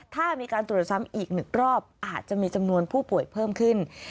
ถ้ามีการตรวจซ้ำอีก๑รอบอาจจะมีจำนวนผู้ป่วยเพิ่มขึ้น